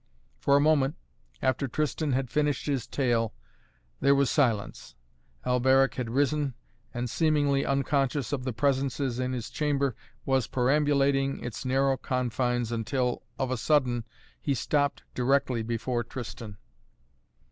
For a moment, after Tristan had finished his tale, there was silence. Alberic had risen and, seemingly unconscious of the presences in his chamber, was perambulating its narrow confines until, of a sudden, he stopped directly before Tristan.